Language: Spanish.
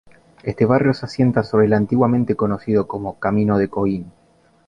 Este barrio se asienta sobre el antiguamente conocido como "Camino de Coín".